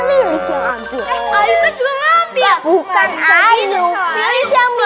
liris yang aku juga ngambil bukan saya nunggu